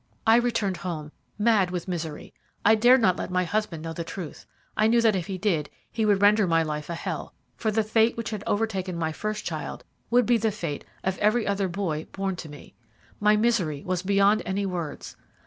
"I returned home, mad with misery. I dared not let my husband know the truth. I knew that if I did he would render my life a hell, for the fate which had overtaken my first child would be the fate of every other boy born to me. My misery was beyond any words.